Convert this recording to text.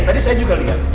tadi saya juga lihat